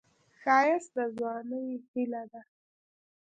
ښایست د ځوانۍ هیلې ده